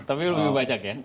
tapi lebih banyak ya